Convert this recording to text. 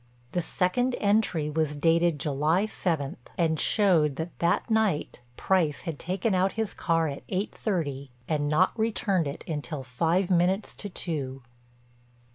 The second entry was dated July seventh and showed that that night Price had taken out his car at eight thirty and not returned it until five minutes to two.